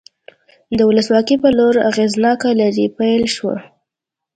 د ولسواکۍ په لور اغېزناکه لړۍ پیل شوه.